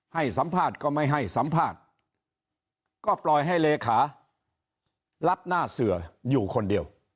ให้สัมภาษณ์ก็ไม่ให้สัมภาษณ์ก็ปล่อยให้เลขารับหน้าเสืออยู่คนเดียว